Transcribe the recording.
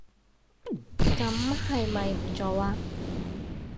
噉係咪唔做吖